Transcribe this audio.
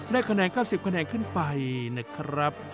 คะแนน๙๐คะแนนขึ้นไปนะครับ